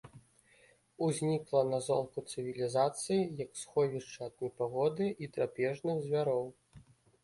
Узнікла на золку цывілізацыі як сховішча ад непагоды і драпежных звяроў.